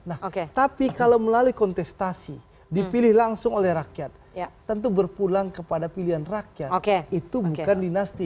nah tapi kalau melalui kontestasi dipilih langsung oleh rakyat tentu berpulang kepada pilihan rakyat itu bukan dinasti